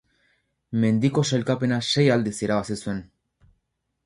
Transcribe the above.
Mendiko sailkapena sei aldiz irabazi zuen.